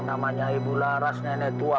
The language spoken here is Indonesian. sekarang hal ini boleh jadi permasalahan